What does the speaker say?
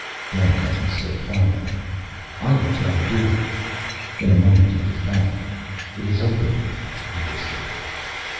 Dandtan slipped by them. "I will try the door." In a moment he was back. "It is open," he whispered.